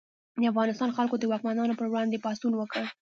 د افغانستان خلکو د واکمنانو پر وړاندې پاڅون وکړ.